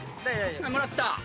もらった。